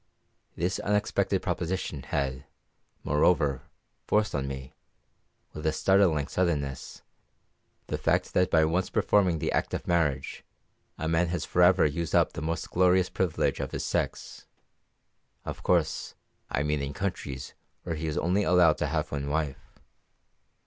This unexpected proposition had, moreover, forced on me, with a startling suddenness, the fact that by once performing the act of marriage a man has for ever used up the most glorious privilege of his sex of course, I mean in countries where he is only allowed to have one wife.